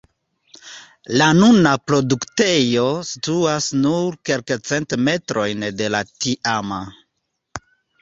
La nuna produktejo situas nur kelkcent metrojn de la tiama.